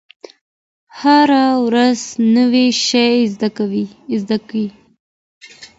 هره ورځ نوی شی زده کړئ.